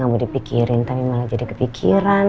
gak mau dipikirin tapi malah jadi kepikiran